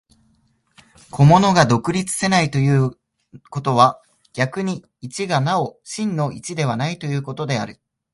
個物が独立せないということは、逆に一がなお真の一でないということである。